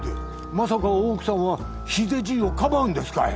まさか大奥さんは秀じいをかばうんですかい？